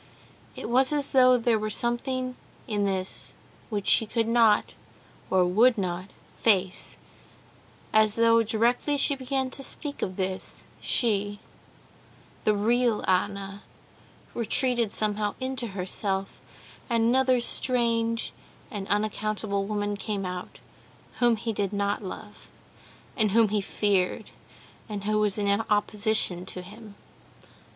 It was as though there were something in this which she could not or would not face, as though directly she began to speak of this, she, the real Anna, retreated somehow into herself, and another strange and unaccountable woman came out, whom he did not love, and whom he feared, and who was in opposition to him.